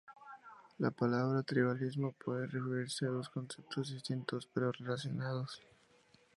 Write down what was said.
La palabra "tribalismo" puede referirse a dos conceptos distintos, pero relacionados.